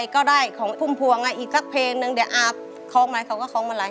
ก็ได้ของภูมิภวงอีกแค่เพลงนึงเดี๋ยวอาค้องมาเขาก็ค้องมาละให้๕๐๐